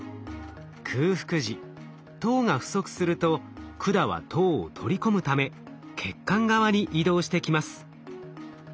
空腹時糖が不足すると管は糖を取り込むため血管側に移動してきます。